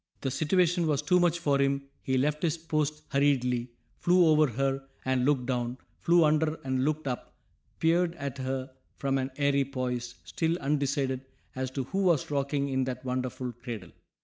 The situation was too much for him; he left his post hurriedly, flew over her and looked down, flew under and looked up, peered at her from an airy poise, still undecided as to who was rocking in that wonderful cradle.